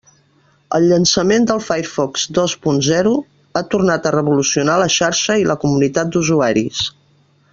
El llançament del Firefox dos punt zero ha tornat a revolucionar la xarxa i la comunitat d'usuaris.